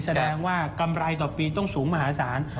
แสดงว่ากำไรต่อปีต้องสูงมหาศาล